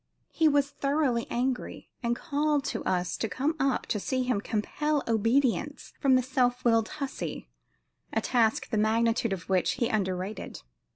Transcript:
He was thoroughly angry, and called to us to come up to see him "compel obedience from the self willed hussy," a task the magnitude of which he underrated.